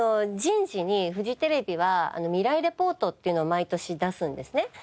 人事にフジテレビは未来レポートっていうのを毎年出すんですね。